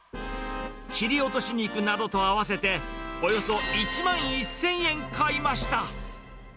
切り落とし肉などと合わせて、およそ１万１０００円買いました。